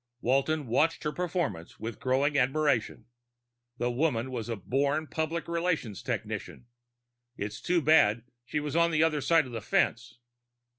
Walton watched her performance with growing admiration. The woman was a born public relations technician. It was too bad she was on the other side of the fence.